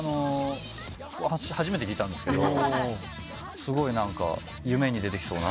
初めて聴いたんですけどすごい夢に出てきそうな。